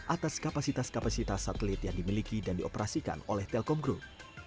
atas kapasitas kapasitas satelit yang dimiliki dan dioperasikan oleh telkom group